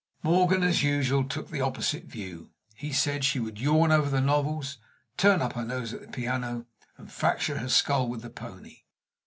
Morgan, as usual, took the opposite view. He said she would yawn over the novels, turn up her nose at the piano, and fracture her skull with the pony.